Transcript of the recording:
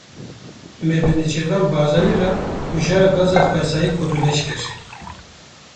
Me bi Nêçîrvan Barzanî re mijara gaza xwezayî gotûbêj kir.